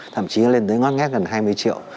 thậm chí lên tới ngót ngét gần hai mươi triệu